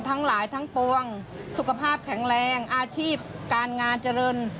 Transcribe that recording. ทั้งหลายทั้งปวงสุขภาพแข็งแรงอาชีพการงานเจริญ